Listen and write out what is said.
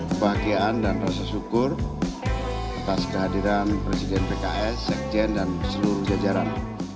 kebahagiaan dan rasa syukur atas kehadiran presiden pks sekjen dan seluruh jajaran